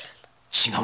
違う！